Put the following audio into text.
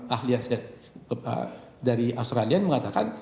ahli dari australian mengatakan